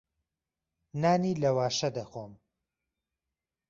نانی لەواشە دەخۆم.